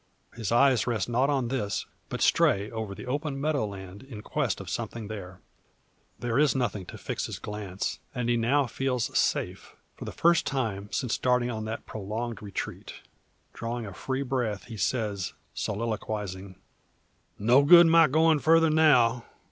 His eyes rest not on this, but stray over the open meadow, land in quest of something there. There is nothing to fix his glance, and he now feels safe, for the first time since starting on that prolonged retreat. Drawing a free breath he says, soliloquising: "No good my going farther now.